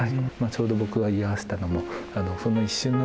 ちょうど僕が居合わせたのもその一瞬の出来事